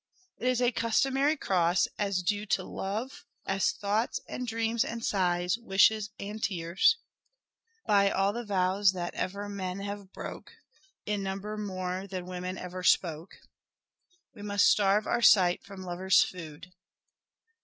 "It is a customary cross As due to love as thoughts and dreams and sighs, Wishes and tears." 1 ' By all the vows that ever men have broke In number more than women ever spoke." " We must starve our sight from lover's food."